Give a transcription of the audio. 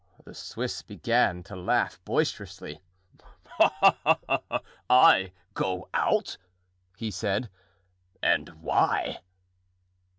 The Swiss began to laugh boisterously. "I go out?" he said. "And why?"